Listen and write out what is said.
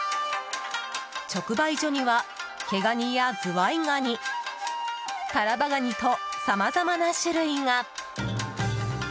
直売所には毛ガニやズワイガニタラバガニとさまざまな種類が。